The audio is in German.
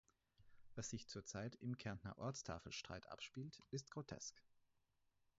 Was sich zurzeit im Kärntner Ortstafelstreit abspielt, ist grotesk.